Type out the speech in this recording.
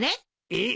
えっ？